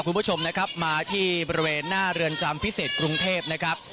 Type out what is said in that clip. คุณผู้ชมนะครับมาที่บริเวณหน้าเรือนจำพิเศษกรุงเทพนะครับ